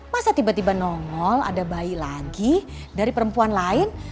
masa tiba tiba nongol ada bayi lagi dari perempuan lain